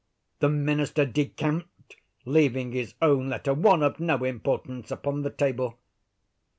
The minister decamped; leaving his own letter—one of no importance—upon the table."